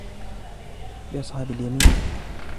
لِّأَصْحَابِ الْيَمِينِ